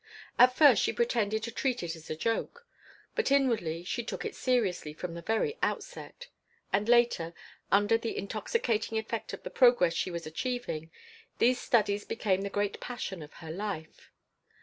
At first she pretended to treat it as a joke, but inwardly she took it seriously from the very outset, and later, under the intoxicating effect of the progress she was achieving, these studies became the great passion of her life.